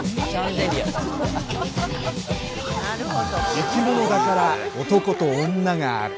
生き物だから男と女がある。